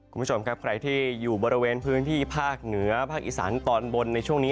คุณผู้ชมครับใครที่อยู่บริเวณพื้นที่ภาคเหนือภาคอีสานตอนบนในช่วงนี้